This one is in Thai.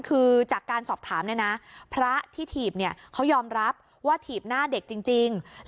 คือจากการสอบถามเนี่ยนะพระที่ถีบเนี่ยเขายอมรับว่าถีบหน้าเด็กจริง